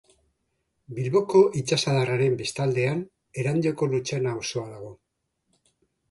Bilboko itsasadarraren bestaldean Erandioko Lutxana auzoa dago.